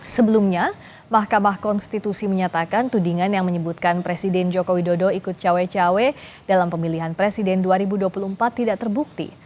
sebelumnya mahkamah konstitusi menyatakan tudingan yang menyebutkan presiden joko widodo ikut cawe cawe dalam pemilihan presiden dua ribu dua puluh empat tidak terbukti